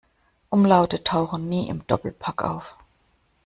Umlaute tauchen nie im Doppelpack auf.